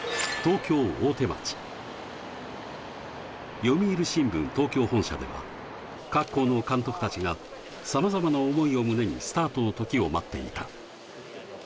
読売新聞・東京本社では、各校の監督たちがさまざまな思いを胸に、スタートの時を待っていた。